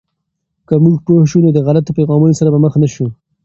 که موږ پوه شو، نو د غلطو پیغامونو سره به مخ نسو.